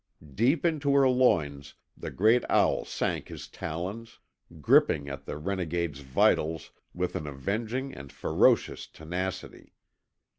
Deep into her loins the great owl sank his talons, gripping at the renegade's vitals with an avenging and ferocious tenacity.